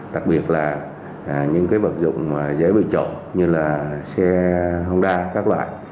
đặc biệt là những bật dụng dễ bị trộn như là xe honda các loại